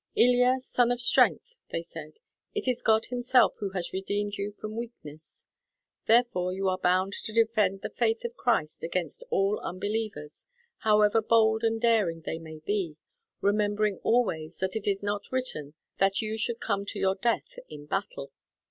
"Ilya, son of strength," they said, "it is God Himself who has redeemed you from weakness. Therefore you are bound to defend the faith of Christ against all unbelievers, however bold and daring they may be, remembering always that it is not written that you should come to your death in battle.